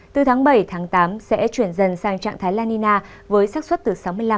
từ tháng bảy tám sẽ chuyển dần sang trạng thái lanina với sát xuất từ sáu mươi năm bảy mươi năm